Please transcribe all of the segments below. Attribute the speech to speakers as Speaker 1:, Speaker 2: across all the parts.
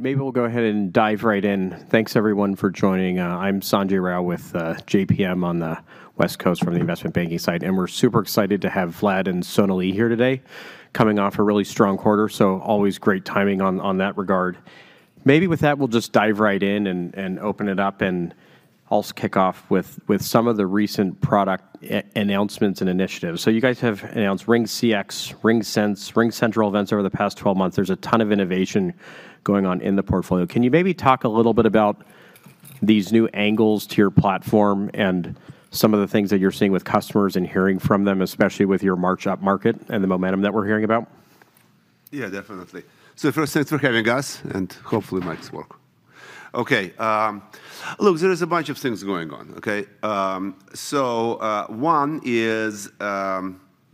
Speaker 1: Maybe we'll go ahead and dive right in. Thanks everyone for joining. I'm Sanjay Rao with JPM on the West Coast from the investment banking side, and we're super excited to have Vlad and Sonalee here today, coming off a really strong quarter, so always great timing on that regard. Maybe with that, we'll just dive right in and open it up, and I'll kick off with some of the recent product announcements and initiatives. So you guys have announced RingCX, RingSense, RingCentral Events over the past 12 months. There's a ton of innovation going on in the portfolio. Can you maybe talk a little bit about these new angles to your platform and some of the things that you're seeing with customers and hearing from them, especially with your March up market and the momentum that we're hearing about?
Speaker 2: Yeah, definitely. So first, thanks for having us, and hopefully, mics work. Okay, look, there is a bunch of things going on, okay?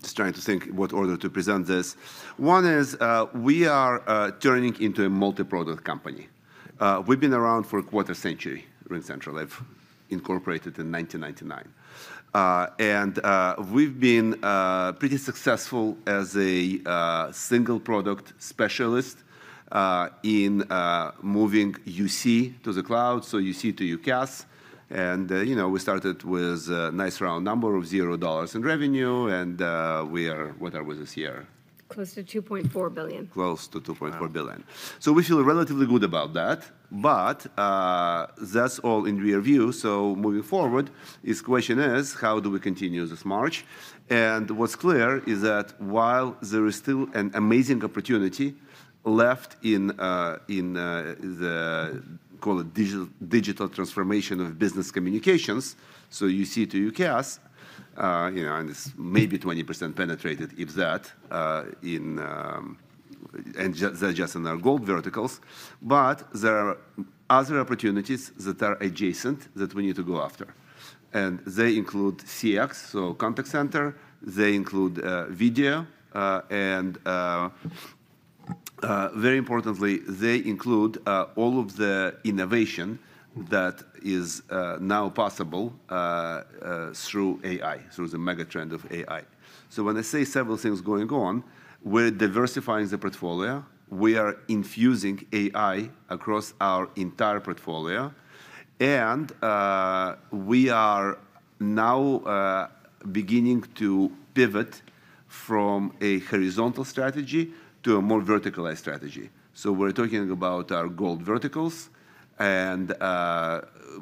Speaker 2: Just trying to think what order to present this. One is, we are turning into a multi-product company. We've been around for a quarter century, RingCentral. I've incorporated in 1999. And we've been pretty successful as a single product specialist in moving UC to the cloud, so UC to UCaaS. And you know, we started with a nice round number of $0 in revenue, and we are what are we this year?
Speaker 3: Close to $2.4 billion.
Speaker 2: Close to $2.4 billion. So we feel relatively good about that, but that's all in rear view. So moving forward, this question is: how do we continue this march? And what's clear is that while there is still an amazing opportunity left in the call it digital transformation of business communications, so UC to UCaaS, you know, and it's maybe 20% penetrated, if that, in and just in our gold verticals. But there are other opportunities that are adjacent that we need to go after, and they include CX, so contact center, they include video and very importantly, they include all of the innovation that is now possible through AI, through the mega trend of AI. So when I say several things going on, we're diversifying the portfolio, we are infusing AI across our entire portfolio, and, we are now, beginning to pivot from a horizontal strategy to a more verticalized strategy. So we're talking about our gold verticals and,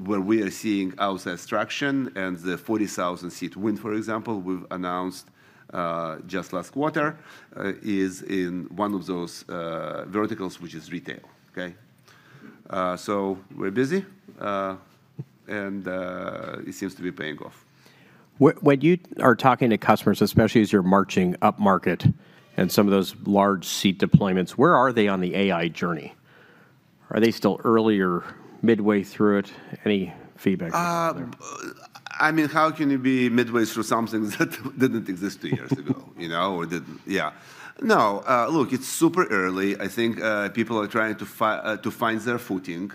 Speaker 2: where we are seeing outside traction, and the 40,000 seat win, for example, we've announced, just last quarter, is in one of those, verticals, which is retail, okay? So we're busy, and, it seems to be paying off.
Speaker 1: When you are talking to customers, especially as you're marching up market and some of those large seat deployments, where are they on the AI journey? Are they still early or midway through it? Any feedback you have there?
Speaker 2: I mean, how can you be midway through something that didn't exist two years ago, you know, or didn't. Yeah. No, look, it's super early. I think people are trying to find their footing.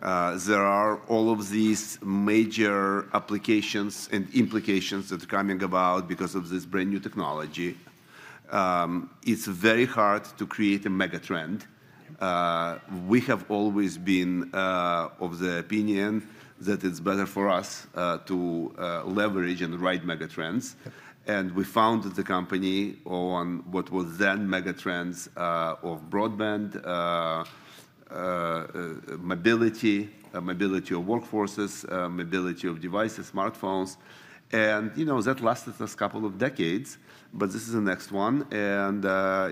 Speaker 2: There are all of these major applications and implications that are coming about because of this brand-new technology. It's very hard to create a mega trend. We have always been of the opinion that it's better for us to leverage and ride mega trends. We founded the company on what was then mega trends of broadband, mobility, mobility of workforces, mobility of devices, smartphones. You know, that lasted us a couple of decades, but this is the next one, and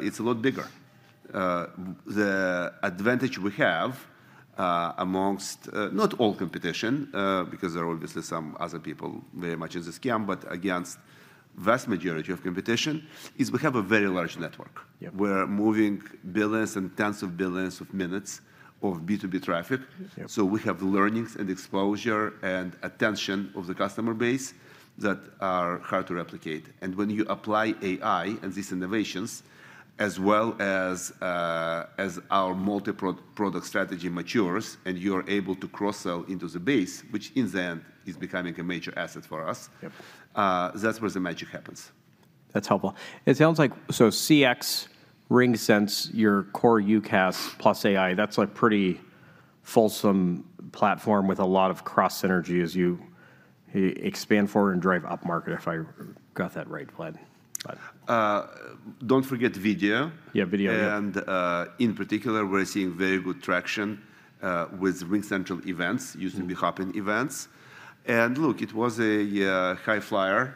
Speaker 2: it's a lot bigger. The advantage we have, amongst, not all competition, because there are obviously some other people very much in this game, but against vast majority of competition, is we have a very large network.
Speaker 1: Yeah.
Speaker 2: We're moving billions and tens of billions of minutes of B2B traffic. So we have learnings and exposure and attention of the customer base that are hard to replicate. And when you apply AI and these innovations, as well as our multi-product strategy matures, and you are able to cross-sell into the base, which in the end, is becoming a major asset for us, that's where the magic happens.
Speaker 1: That's helpful. It sounds like, so CX, RingSense, your core UCaaS plus AI, that's a pretty fulsome platform with a lot of cross synergy as you expand forward and drive up market, if I got that right, Vlad?
Speaker 2: Don't forget video.
Speaker 1: Yeah, video, yeah. In particular, we're seeing very good traction with RingCentral Events used to be Hopin Events. And look, it was a high flyer,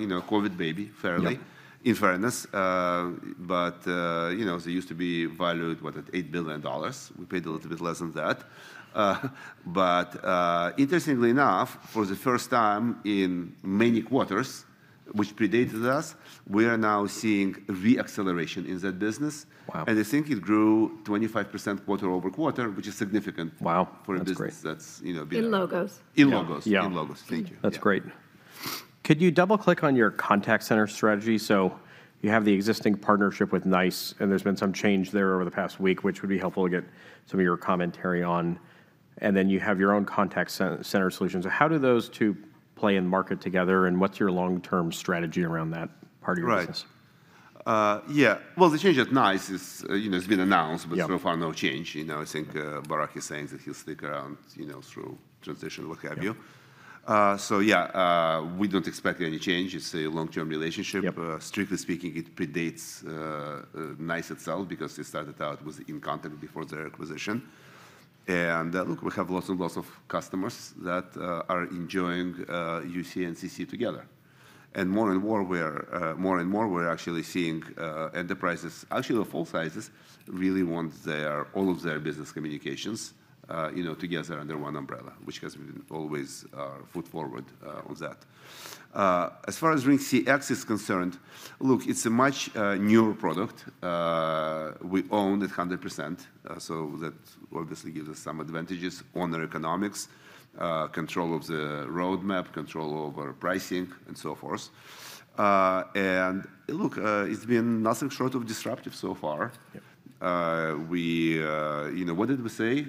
Speaker 1: you know, COVID baby fairly, in fairness. But, you know, they used to be valued, what, at $8 billion? We paid a little bit less than that. But, interestingly enough, for the first time in many quarters, which predated us, we are now seeing re-acceleration in that business. Wow!
Speaker 2: I think it grew 25% quarter-over-quarter, which is significant.
Speaker 1: Wow!
Speaker 2: for a business
Speaker 1: That's great
Speaker 3: In logos.
Speaker 2: In logos.
Speaker 1: Yeah.
Speaker 2: In logos. Thank you.
Speaker 1: That's great. Could you double-click on your contact center strategy? So you have the existing partnership with NICE, and there's been some change there over the past week, which would be helpful to get some of your commentary on, and then you have your own contact center solutions. So how do those two play in market together, and what's your long-term strategy around that part of your business?
Speaker 2: Right. Yeah, well, the change at NICE is, you know, it's been announced. But so far, no change. You know, I think, Barak is saying that he'll stick around, you know, through transition, what have you. So yeah, we don't expect any change. It's a long-term relationship. Strictly speaking, it predates NICE itself, because it started out with inContact before their acquisition. And look, we have lots and lots of customers that are enjoying UC and CC together. And more and more, we're more and more, we're actually seeing enterprises, actually of all sizes, really want their, all of their business communications, you know, together under one umbrella, which has been always our foot forward on that. As far as RingCX is concerned, look, it's a much newer product. We own it 100%, so that obviously gives us some advantages on the economics, control of the roadmap, control over pricing, and so forth. And look, it's been nothing short of disruptive so far.
Speaker 1: Yeah.
Speaker 2: You know, what did we say?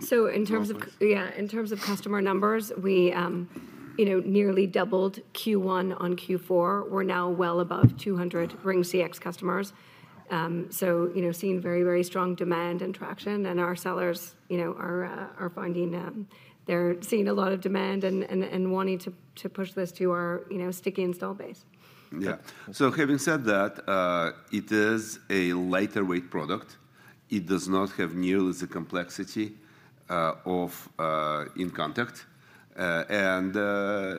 Speaker 3: So in terms of, yeah, in terms of customer numbers, we, you know, nearly doubled Q1 on Q4. We're now well above 200 RingCX customers. So, you know, seeing very, very strong demand and traction, and our sellers, you know, are finding they're seeing a lot of demand and wanting to push this to our, you know, sticky install base.
Speaker 2: Yeah. So having said that, it is a lighter weight product. It does not have nearly the complexity of InContact. And,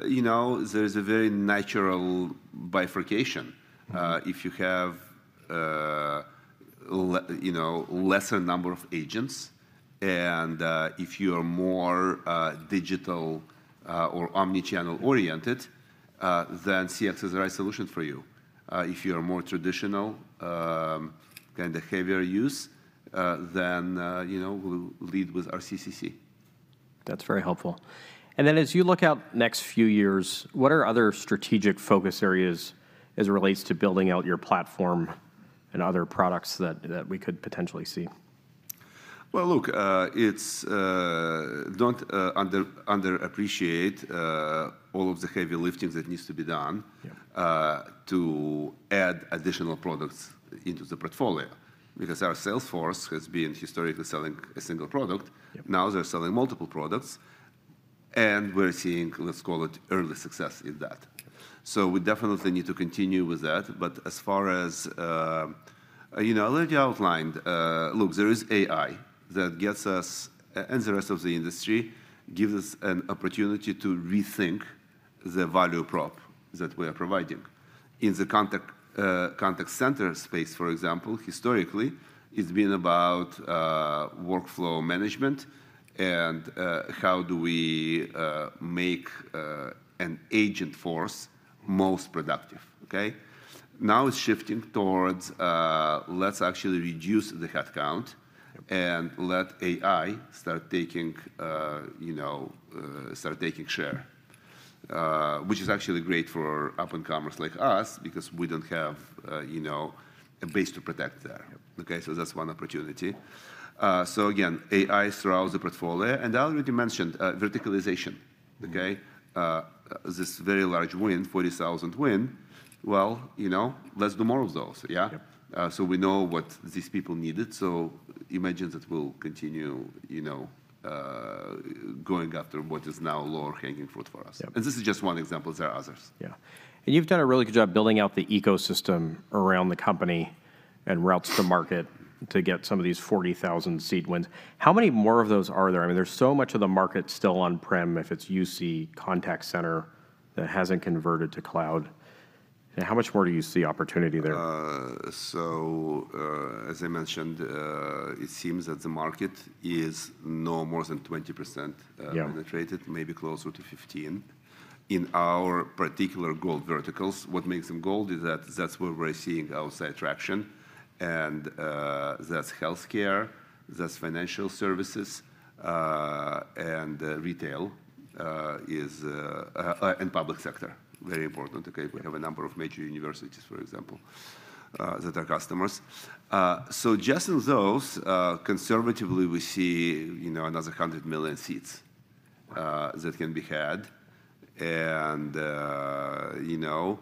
Speaker 2: you know, there is a very natural bifurcation. If you have, you know, lesser number of agents, and if you are more digital or omni-channel oriented, then CX is the right solution for you. If you are more traditional, kind of heavier use, then, you know, we'll lead with our CCC.
Speaker 1: That's very helpful. And then, as you look out next few years, what are other strategic focus areas as it relates to building out your platform and other products that we could potentially see?
Speaker 2: Well, look, don't under appreciate all of the heavy lifting that needs to be done to add additional products into the portfolio, because our sales force has been historically selling a single product. Now, they're selling multiple products, and we're seeing, let's call it, early success in that. So we definitely need to continue with that. But as far as, you know, I already outlined, look, there is AI that gets us, and the rest of the industry, gives us an opportunity to rethink the value prop that we are providing. In the contact center space, for example, historically, it's been about workflow management and how do we make an agent force most productive, okay? Now, it's shifting towards, let's actually reduce the headcount and let AI start taking, you know, start taking share which is actually great for up-and-comers like us, because we don't have, you know, a base to protect there. Okay, so that's one opportunity. So again, AI throughout the portfolio, and I already mentioned, verticalization. Okay? This very large win, 40,000 win, well, you know, let's do more of those. Yeah? So we know what these people needed, so you imagine that we'll continue, you know, going after what is now lower-hanging fruit for us. This is just one example, there are others.
Speaker 1: Yeah. And you've done a really good job building out the ecosystem around the company and routes to market to get some of these 40,000 seat wins. How many more of those are there? I mean, there's so much of the market still on-prem, if it's UC contact center that hasn't converted to cloud. And how much more do you see opportunity there?
Speaker 2: So, as I mentioned, it seems that the market is no more than 20% penetrated, maybe closer to 15%. In our particular gold verticals, what makes them gold is that that's where we're seeing outside traction, and, that's healthcare, that's financial services, and, retail, and public sector, very important, okay? We have a number of major universities, for example, that are customers. So just in those, conservatively, we see, you know, another 100 million seats that can be had. And, you know,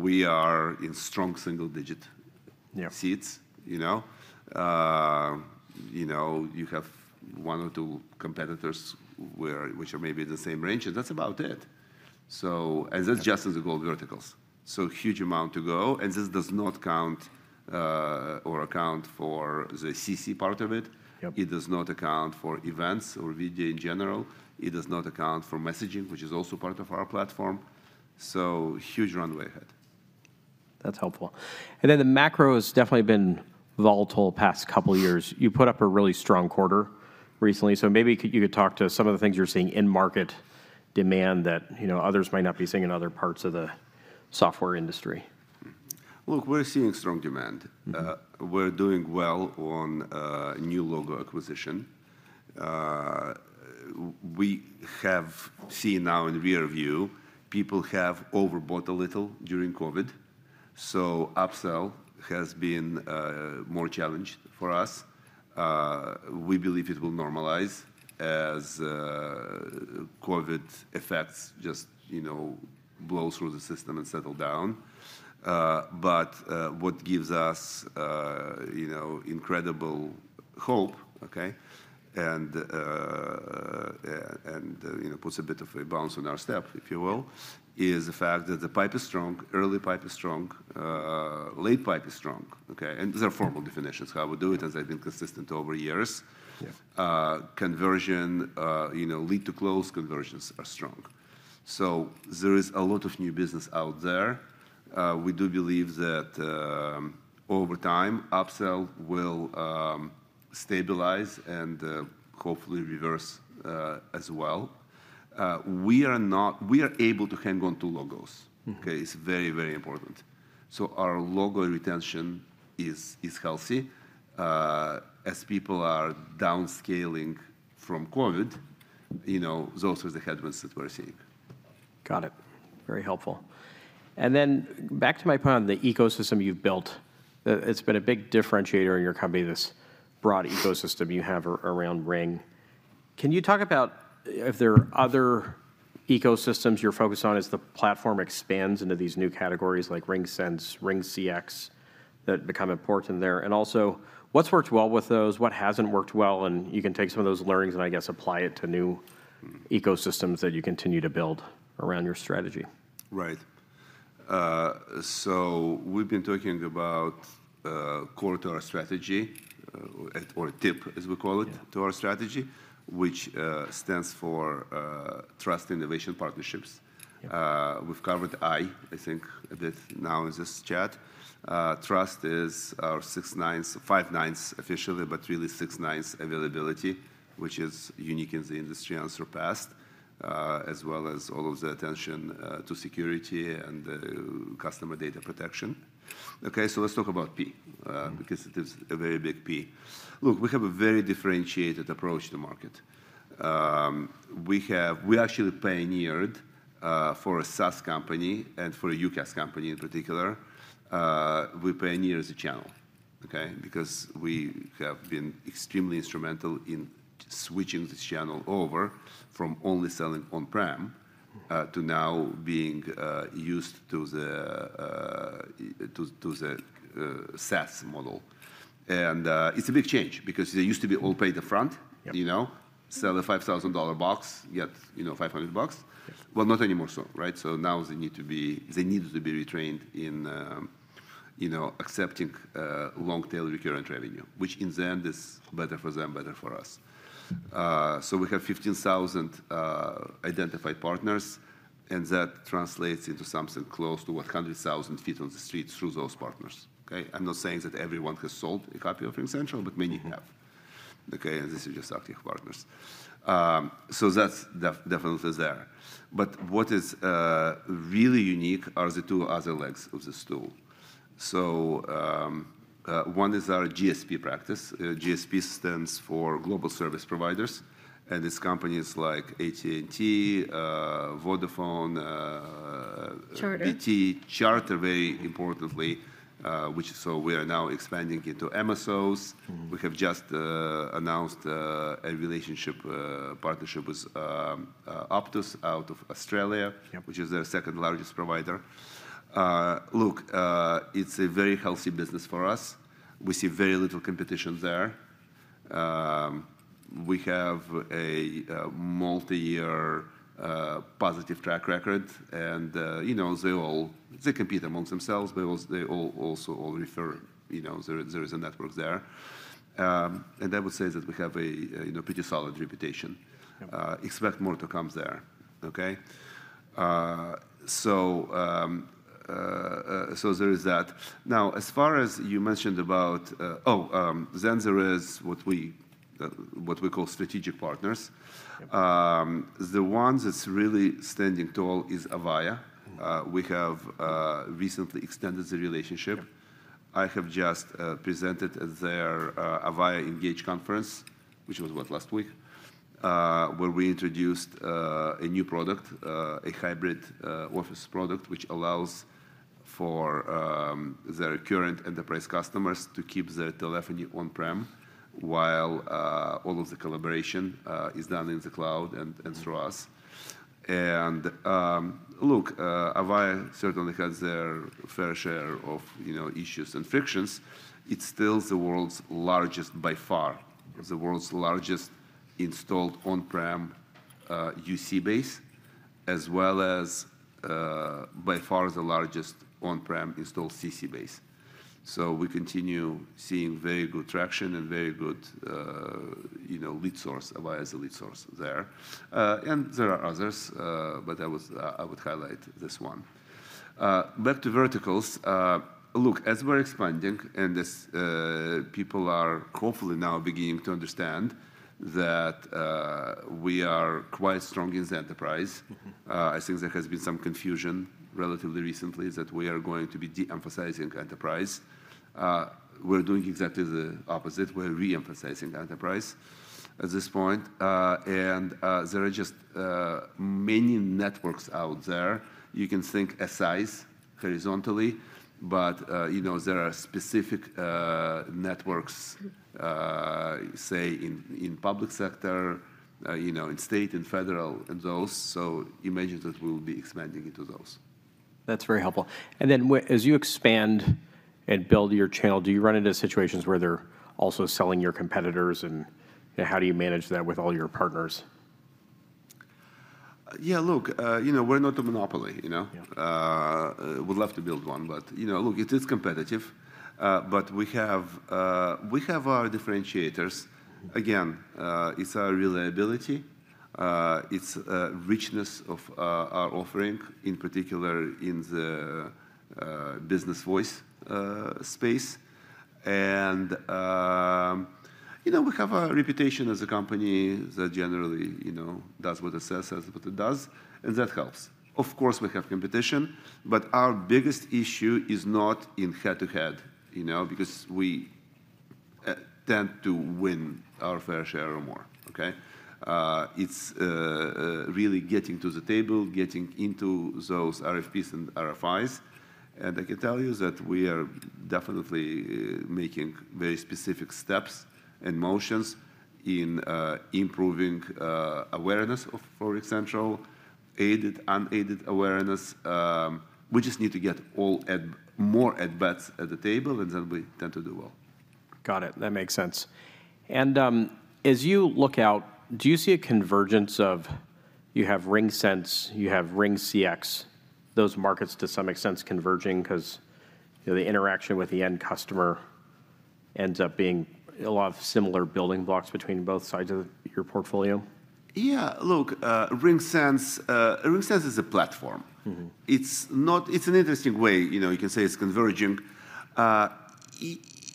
Speaker 2: we are in strong single-digit seats, you know. You know, you have one or two competitors where, which are maybe in the same range, and that's about it. And that's just in the cloud verticals. So huge amount to go, and this does not count, or account for the CC part of it. It does not account for events or video in general. It does not account for messaging, which is also part of our platform. So huge runway ahead.
Speaker 1: That's helpful. And then, the macro has definitely been volatile the past couple of years. You put up a really strong quarter recently, so maybe you could talk to some of the things you're seeing in market demand that, you know, others might not be seeing in other parts of the software industry.
Speaker 2: Well, we're seeing strong demand. We're doing well on new logo acquisition. We have seen now in rear view, people have overbought a little during COVID, so upsell has been more challenged for us. We believe it will normalize as COVID effects just, you know, blow through the system and settle down. But what gives us, you know, incredible hope, okay, and puts a bit of a bounce in our step, if you will, is the fact that the pipe is strong, early pipe is strong, late pipe is strong, okay? These are formal definitions, how we do it, as I've been consistent over years. Conversion, you know, lead to close conversions are strong. So there is a lot of new business out there. We do believe that, over time, upsell will stabilize and, hopefully reverse, as well. We are able to hang on to logos. Okay? It's very, very important. So our logo retention is healthy. As people are downscaling from COVID, you know, those are the headwinds that we're seeing.
Speaker 1: Got it. Very helpful. And then back to my point on the ecosystem you've built, it's been a big differentiator in your company, this broad ecosystem you have around Ring. Can you talk about if there are other ecosystems you're focused on as the platform expands into these new categories, like RingSense, RingCX, that become important there? And also, what's worked well with those, what hasn't worked well, and you can take some of those learnings and I guess apply it to new ecosystems that you continue to build around your strategy.
Speaker 2: Right. So we've been talking about core to our strategy, or TIP, as we call it to our strategy, which stands for Trust, Innovation, Partnerships. We've covered I, I think, that now in this chat. Trust is our six 9s, five 9s officially, but really six 9s availability, which is unique in the industry and surpassed, as well as all of the attention to security and customer data protection. Okay, so let's talk about P because it is a very big P. Look, we have a very differentiated approach to the market. We actually pioneered, for a SaaS company and for a UCaaS company in particular, we pioneered the channel, okay? Because we have been extremely instrumental in switching this channel over from only selling on-prem to now being used to the SaaS model. And it's a big change because they used to be all pay the front you know, sell a $5,000 box, get, you know, $500 bucks.
Speaker 1: Yeah.
Speaker 2: Well, not anymore so, right? So now they need to be retrained in, you know, accepting long-tail recurring revenue, which in the end is better for them, better for us. So we have 15,000 identified partners, and that translates into something close to 100,000 feet on the street through those partners, okay? I'm not saying that everyone has sold a copy of RingCentral, but many have. Okay, and this is just active partners. So that's definitely there. But what is really unique are the two other legs of the stool. So one is our GSP practice. GSP stands for Global Service Providers, and it's companies like AT&T, Vodafone.
Speaker 3: Charter. BT, Charter, very importantly, so we are now expanding into MSOs. We have just announced a relationship, partnership with Optus out of Australia which is our second largest provider. Look, it's a very healthy business for us. We see very little competition there. We have a multi-year positive track record, and, you know, they compete amongst themselves, but also they all refer, you know, there is a network there. And I would say that we have a pretty solid reputation. Expect more to come there, okay? So there is that. Now, as far as you mentioned about, then there is what we call strategic partners. The one that's really standing tall is Avaya. We have recently extended the relationship. I have just presented at their Avaya Engage Conference, which was, what, last week? Where we introduced a new product, a hybrid office product, which allows for their current enterprise customers to keep their telephony on-prem, while all of the collaboration is done in the cloud and through us. And, look, Avaya certainly has their fair share of, you know, issues and frictions. It's still the world's largest, by far, the world's largest installed on-prem, UC base, as well as, by far the largest on-prem installed CC base. So we continue seeing very good traction and very good, you know, lead source, Avaya as a lead source there. And there are others, but I would, I would highlight this one. Back to verticals, look, as we're expanding and people are hopefully now beginning to understand that, we are quite strong in the enterprise. I think there has been some confusion relatively recently that we are going to be de-emphasizing enterprise. We're doing exactly the opposite. We're re-emphasizing enterprise at this point. There are just many networks out there. You can think a size horizontally, but you know, there are specific networks, say, in public sector, you know, in state and federal and those, so imagine that we'll be expanding into those.
Speaker 1: That's very helpful. And then as you expand and build your channel, do you run into situations where they're also selling your competitors, and how do you manage that with all your partners?
Speaker 2: Yeah, look, you know, we're not a monopoly, you know?
Speaker 1: Yeah.
Speaker 2: We'd love to build one, but, you know, look, it is competitive, but we have, we have our differentiators. Again, it's our reliability, it's richness of our offering, in particular in the business voice space. And, you know, we have a reputation as a company that generally, you know, does what it says as what it does, and that helps. Of course, we have competition, but our biggest issue is not in head-to-head, you know, because we tend to win our fair share or more, okay? It's really getting to the table, getting into those RFPs and RFIs, and I can tell you that we are definitely making very specific steps and motions in improving awareness for RingCentral, aided, unaided awareness. We just need to get all add more ad bets at the table, and then we tend to do well.
Speaker 1: Got it. That makes sense. As you look out, do you see a convergence of you have RingSense, you have RingCX, those markets to some extent converging? 'Cause, you know, the interaction with the end customer ends up being a lot of similar building blocks between both sides of your portfolio.
Speaker 2: Yeah, look, RingSense, RingSense is a platform. It's an interesting way, you know, you can say it's converging.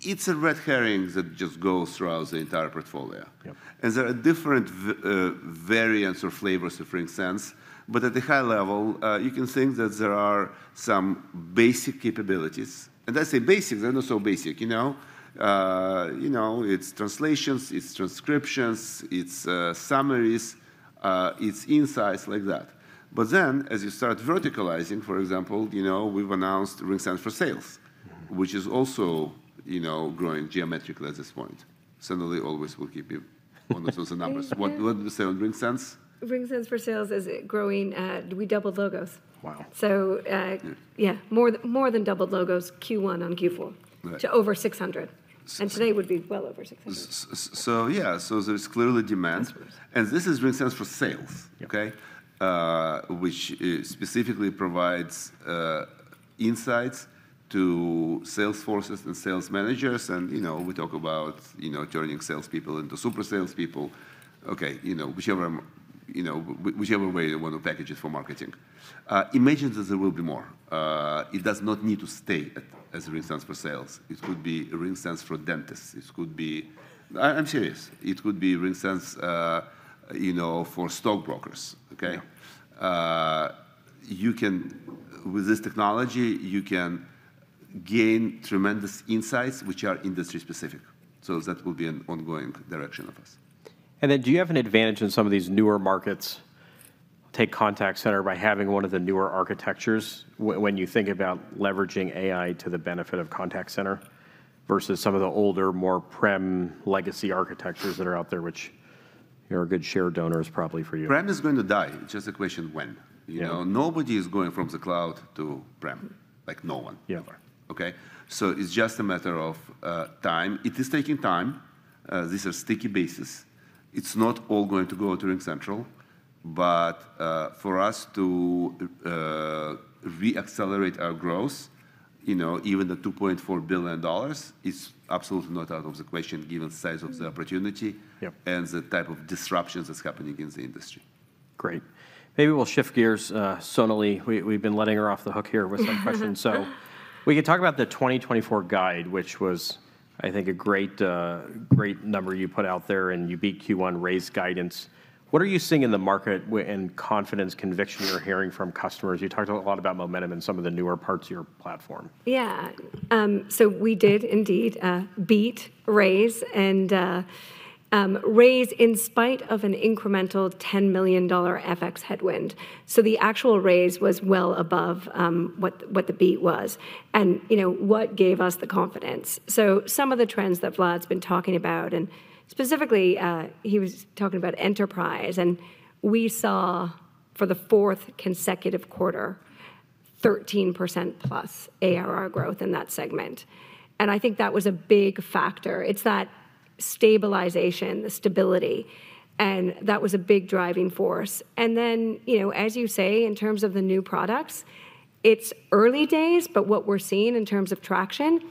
Speaker 2: It's a red herring that just goes throughout the entire portfolio. There are different variants or flavors of RingSense, but at the high level, you can think that there are some basic capabilities, and I say basic, they're not so basic, you know. You know, it's translations, it's transcriptions, it's summaries, it's insights like that. But then, as you start verticalizing, for example, you know, we've announced RingSense for Sales which is also, you know, growing geometrically at this point. Sonalee always will give you those numbers. What did you say on RingSense?
Speaker 3: RingSense for Sales is growing. We doubled logos.
Speaker 1: Wow! Yeah, more than doubled logos Q1 on Q4.
Speaker 2: Right
Speaker 3: So over 600, and today would be well over 600.
Speaker 2: So yeah, so there's clearly demand.
Speaker 1: This is RingSense for sales, okay? Which specifically provides insights to sales forces and sales managers and, you know, we talk about, you know, turning salespeople into super salespeople. Okay, you know, whichever way you want to package it for marketing. Imagine that there will be more. It does not need to stay at, as RingSense for Sales. It could be a RingSense for dentists. It could be but I'm serious. It could be RingSense, you know, for stockbrokers, okay? With this technology, you can gain tremendous insights, which are industry-specific, so that will be an ongoing direction of us. Then, do you have an advantage in some of these newer markets, take contact center, by having one of the newer architectures, when you think about leveraging AI to the benefit of contact center, versus some of the older, more on-prem legacy architectures that are out there, which are a good share donors probably for you?
Speaker 2: Prem is going to die. It's just a question when.
Speaker 1: Yeah.
Speaker 2: You know, nobody is going from the cloud to prem, like no one ever, okay? So it's just a matter of time. It is taking time. These are sticky bases. It's not all going to go to RingCentral, but, for us to re-accelerate our growth, you know, even the $2.4 billion is absolutely not out of the question, given the size of the opportunity and the type of disruptions that's happening in the industry.
Speaker 1: Great. Maybe we'll shift gears. Sonalee, we've been letting her off the hook here with some questions. So we can talk about the 2024 guide, which was, I think, a great number you put out there, and you beat Q1, raised guidance. What are you seeing in the market and confidence, conviction you're hearing from customers? You talked a lot about momentum in some of the newer parts of your platform.
Speaker 3: Yeah, so we did indeed, beat, raise, and, raise in spite of an incremental $10 million FX headwind. So the actual raise was well above, what, what the beat was, and, you know, what gave us the confidence? So some of the trends that Vlad's been talking about, and specifically, he was talking about enterprise, and we saw for the fourth consecutive quarter, 13%+ ARR growth in that segment, and I think that was a big factor. It's that stabilization, the stability, and that was a big driving force. And then, you know, as you say, in terms of the new products, it's early days, but what we're seeing in terms of traction,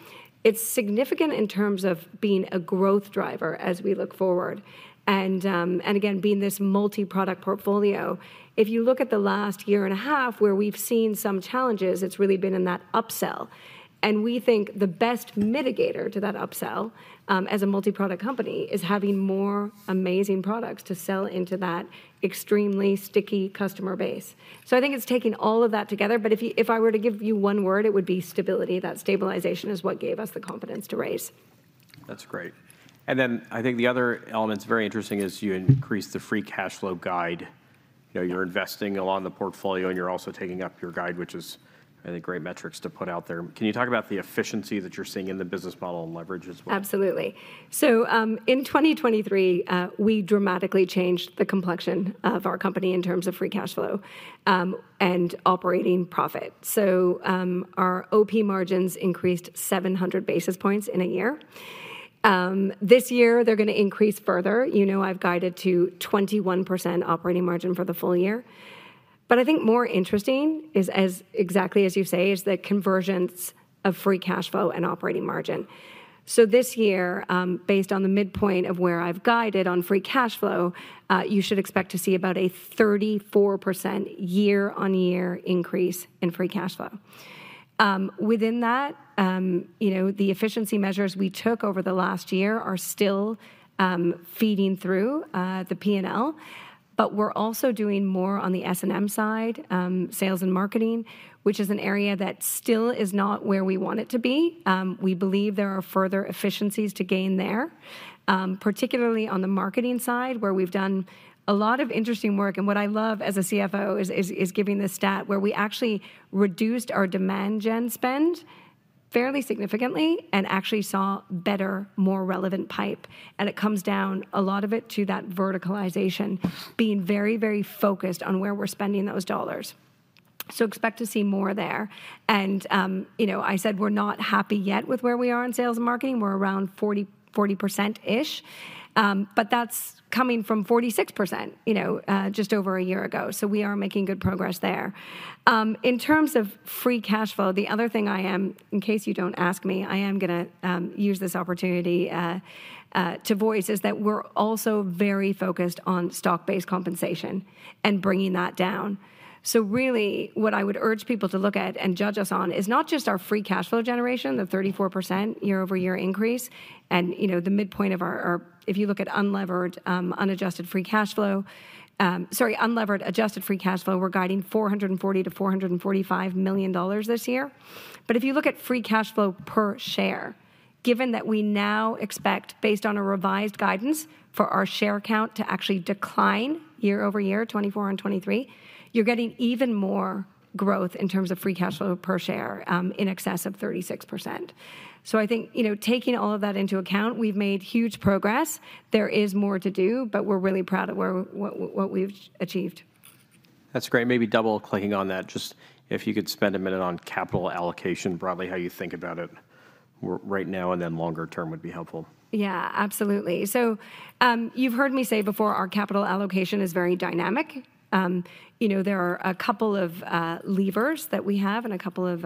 Speaker 3: it's significant in terms of being a growth driver as we look forward and again, being this multi-product portfolio. If you look at the last year and a half, where we've seen some challenges, it's really been in that upsell, and we think the best mitigator to that upsell, as a multi-product company, is having more amazing products to sell into that extremely sticky customer base. So I think it's taking all of that together, but if I were to give you one word, it would be stability. That stabilization is what gave us the confidence to raise.
Speaker 1: That's great. And then I think the other element that's very interesting is you increased the free cash flow guide. You know, you're investing along the portfolio, and you're also taking up your guide, which is, I think, great metrics to put out there. Can you talk about the efficiency that you're seeing in the business model and leverage as well?
Speaker 3: Absolutely. So, in 2023, we dramatically changed the complexion of our company in terms of free cash flow, and operating profit. So, our OP margins increased 700 basis points in a year. This year, they're going to increase further. You know, I've guided to 21% operating margin for the full year. But I think more interesting is as, exactly as you say, is the convergence of free cash flow and operating margin. So this year, based on the midpoint of where I've guided on free cash flow, you should expect to see about a 34% year-on-year increase in free cash flow. Within that, you know, the efficiency measures we took over the last year are still feeding through the P&L, but we're also doing more on the S&M side, sales and marketing, which is an area that still is not where we want it to be. We believe there are further efficiencies to gain there, particularly on the marketing side, where we've done a lot of interesting work. And what I love as a CFO is giving the stat where we actually reduced our demand gen spend fairly significantly and actually saw better and more relevant pipe. And it comes down, a lot of it, to that verticalization, being very, very focused on where we're spending those dollars. So expect to see more there. You know, I said we're not happy yet with where we are in sales and marketing. We're around 40%-ish, but that's coming from 46%, you know, just over a year ago, so we are making good progress there. In terms of free cash flow, the other thing I am, in case you don't ask me, I am going to use this opportunity to voice, is that we're also very focused on stock-based compensation and bringing that down. So really, what I would urge people to look at and judge us on is not just our free cash flow generation, the 34% year-over-year increase, and, you know, the midpoint of our, if you look at unlevered, unadjusted free cash flow, sorry, unlevered, adjusted free cash flow, we're guiding $440 million-$445 million this year. But if you look at free cash flow per share, given that we now expect, based on a revised guidance for our share count, to actually decline year-over-year, 2024 and 2023, you're getting even more growth in terms of free cash flow per share, in excess of 36%. So I think, you know, taking all of that into account, we've made huge progress. There is more to do, but we're really proud of what we've achieved.
Speaker 1: That's great. Maybe double-clicking on that, just if you could spend a minute on capital allocation, broadly, how you think about it right now, and then longer term would be helpful.
Speaker 3: Yeah, absolutely. So, you've heard me say before, our capital allocation is very dynamic. You know, there are a couple of levers that we have and a couple of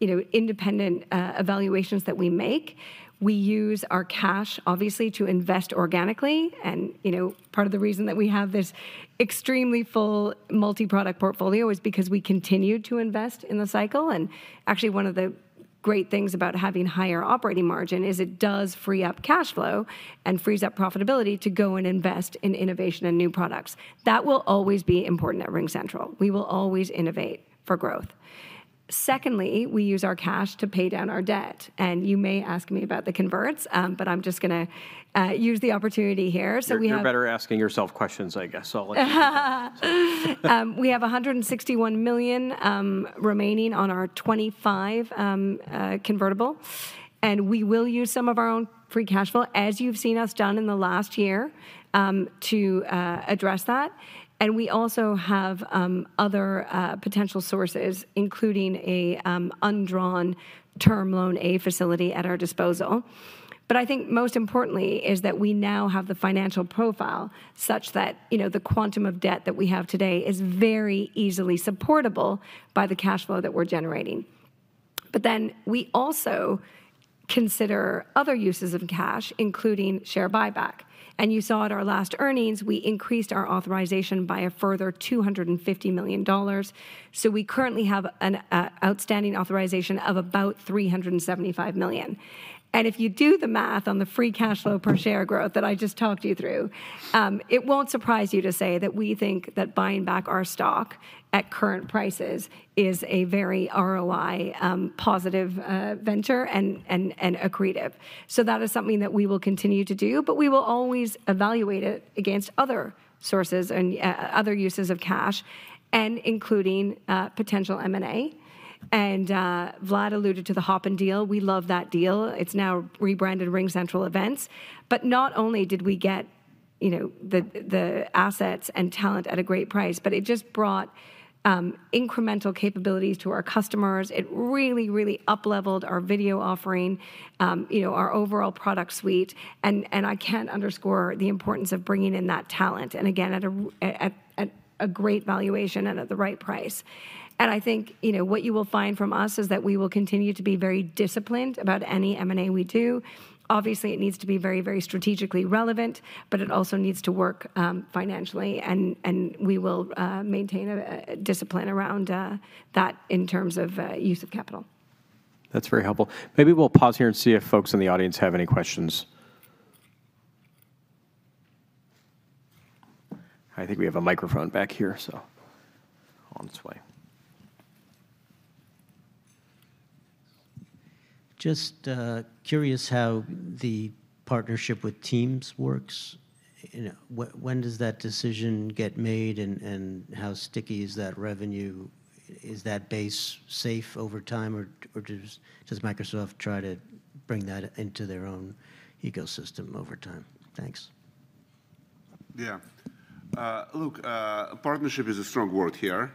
Speaker 3: independent evaluations that we make. We use our cash, obviously, to invest organically, and, you know, part of the reason that we have this extremely full multi-product portfolio is because we continue to invest in the cycle. And actually, one of the great things about having higher operating margin is it does free up cash flow and frees up profitability to go and invest in innovation and new products. That will always be important at RingCentral. We will always innovate for growth. Secondly, we use our cash to pay down our debt, and you may ask me about the converts, but I'm just going to use the opportunity here.
Speaker 1: You're better asking yourself questions, so I'll let you.
Speaker 3: We have $161 million remaining on our 2025 convertible, and we will use some of our own free cash flow, as you've seen us done in the last year, to address that. We also have other potential sources, including an undrawn term loan facility at our disposal. But I think most importantly is that we now have the financial profile such that, you know, the quantum of debt that we have today is very easily supportable by the cash flow that we're generating. But then we also consider other uses of cash, including share buyback. You saw at our last earnings, we increased our authorization by a further $250 million. So we currently have an outstanding authorization of about $375 million. And if you do the math on the free cash flow per share growth that I just talked you through, it won't surprise you to say that we think that buying back our stock at current prices is a very ROI positive venture and accretive. So that is something that we will continue to do, but we will always evaluate it against other sources and other uses of cash and including potential M&A. And Vlad alluded to the Hopin deal. We love that deal. It's now rebranded RingCentral Events. But not only did we get, you know, the assets and talent at a great price, but it just brought incremental capabilities to our customers. It really, really upleveled our video offering, you know, our overall product suite. I can't underscore the importance of bringing in that talent, and again, at a great valuation and at the right price. And I think, you know, what you will find from us is that we will continue to be very disciplined about any M&A we do. Obviously, it needs to be very, very strategically relevant, but it also needs to work financially, and we will maintain a discipline around that in terms of use of capital.
Speaker 1: That's very helpful. Maybe we'll pause here and see if folks in the audience have any questions. I think we have a microphone back here, so on its way.
Speaker 4: Just curious how the partnership with Teams works. You know, when does that decision get made, and how sticky is that revenue? Is that base safe over time, or does Microsoft try to bring that into their own ecosystem over time? Thanks.
Speaker 2: Yeah. Look, partnership is a strong word here.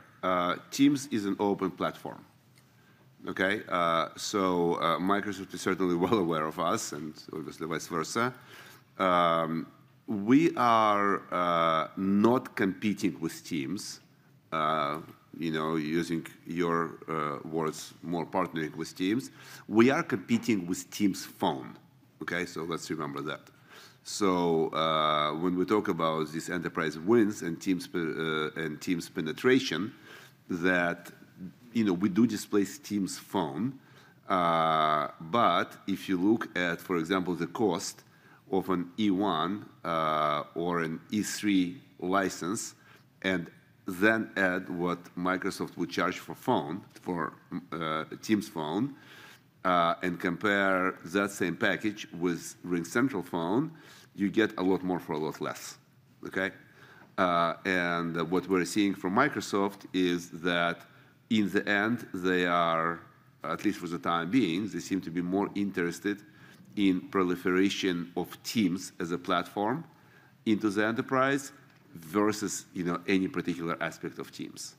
Speaker 2: Teams is an open platform, okay? So, Microsoft is certainly well aware of us and obviously vice versa. We are not competing with Teams, you know, using your words more, partnering with Teams. We are competing with Teams Phone, okay? So let's remember that. So, when we talk about these enterprise wins and Teams penetration, that, you know, we do displace Teams Phone. But if you look at, for example, the cost of an E1 or an E3 license, and then add what Microsoft would charge for Phone, for Teams Phone, and compare that same package with RingCentral Phone, you get a lot more for a lot less, okay? And what we're seeing from Microsoft is that in the end, they are, at least for the time being, they seem to be more interested in proliferation of Teams as a platform into the enterprise versus, you know, any particular aspect of Teams.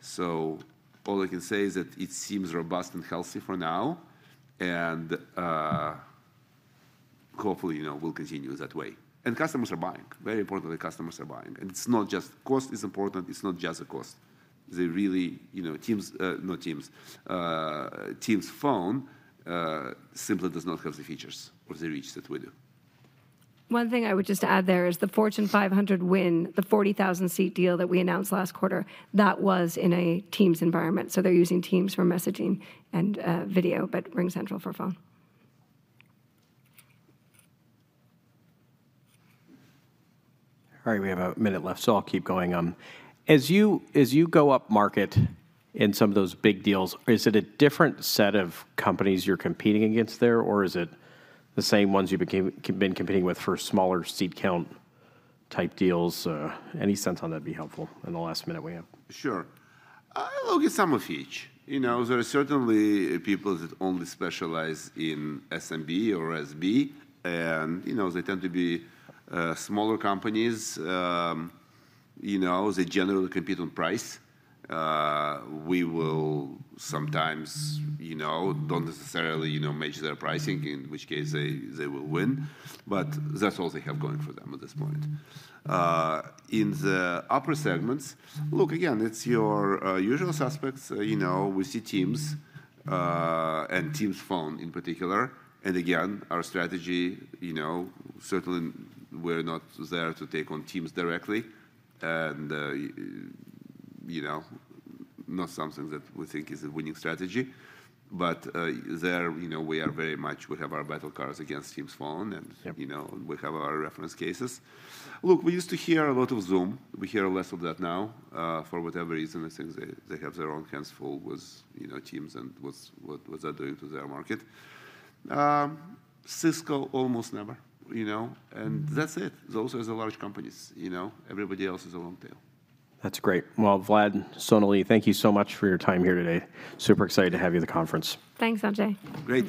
Speaker 2: So all I can say is that it seems robust and healthy for now, and, hopefully, you know, will continue that way. And customers are buying. Very importantly, customers are buying, and it's not just, cost is important. It's not just the cost. They really, you know, Teams, not Teams, Teams Phone, simply does not have the features or the reach that we do.
Speaker 3: One thing I would just add there is the Fortune 500 win, the 40,000-seat deal that we announced last quarter, that was in a Teams environment. So they're using Teams for messaging and, video, but RingCentral for phone.
Speaker 1: All right, we have a minute left, so I'll keep going. As you go upmarket in some of those big deals, is it a different set of companies you're competing against there, or is it the same ones you've been competing with for smaller seat count type deals? Any sense on that'd be helpful in the last minute we have.
Speaker 2: Sure. We'll get some of each. You know, there are certainly people that only specialize in SMB or SB, and, you know, they tend to be smaller companies. You know, they generally compete on price. We will sometimes, you know, don't necessarily, you know, match their pricing, in which case they will win, but that's all they have going for them at this point. In the upper segments, look, again, it's your usual suspects. You know, we see Teams and Teams Phone in particular. And again, our strategy, you know, certainly we're not there to take on Teams directly, and, you know, not something that we think is a winning strategy. But, there, you know, we are very much, we have our battle cards against Teams Phone, and, you know, we have our reference cases. Look, we used to hear a lot of Zoom. We hear less of that now, for whatever reason. I think they, they have their own hands full with, you know, Teams and what's, what, what they're doing to their market. Cisco, almost never, you know, and that's it. Those are the large companies, you know? Everybody else is a long tail.
Speaker 1: That's great. Well, Vlad, Sonalee, thank you so much for your time here today. Super excited to have you at the conference.
Speaker 3: Thanks, Sanjay.
Speaker 2: Great.